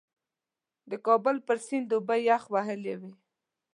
د کابل پر سیند اوبه یخ وهلې وې.